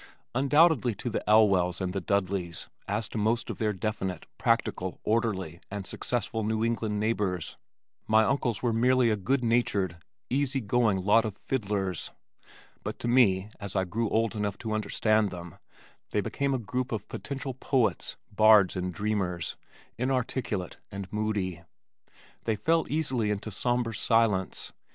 Undoubtedly to the Elwells and Dudleys, as to most of their definite, practical, orderly and successful New England neighbors, my uncles were merely a good natured, easy going lot of "fiddlers," but to me as I grew old enough to understand them, they became a group of potential poets, bards and dreamers, inarticulate and moody. They fell easily into somber silence.